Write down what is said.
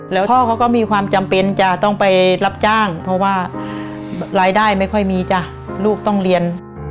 แล้วพ่อเขาก็มีความจำเป็นจะต้องไปรับจ้างเพราะว่ารายได้ไม่ค่อยมีจ้ะลูกต้องเรียน